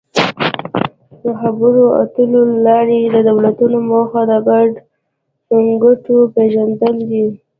د خبرو اترو له لارې د دولتونو موخه د ګډو ګټو پېژندل دي